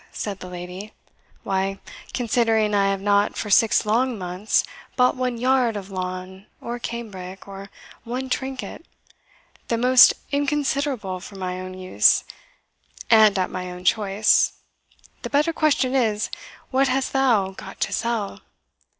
said the lady, "why, considering I have not for six long months bought one yard of lawn or cambric, or one trinket, the most inconsiderable, for my own use, and at my own choice, the better question is, What hast thou got to sell?